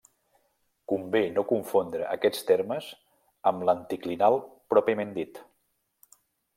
Convé no confondre aquests termes amb l'anticlinal pròpiament dit.